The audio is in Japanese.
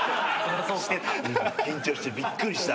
緊張してびっくりした。